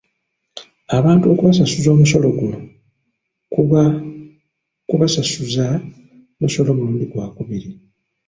Abantu okusasula omusolo guno kuba ku basasuza musolo mulundi gwakubiri.